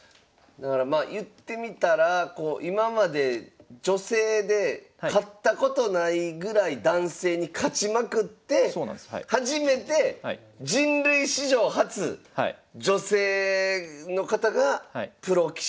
だからまあ言ってみたら今まで女性で勝ったことないぐらい男性に勝ちまくって初めて人類史上初女性の方がプロ棋士になる戦いに挑むという。